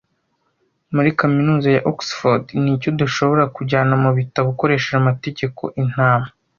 Muri kaminuza ya Oxford niki udashobora kujyana mubitabo ukoresheje amategeko Intama